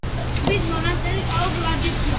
ტბეთის მონასტერი ტაო-კლარჯეთშია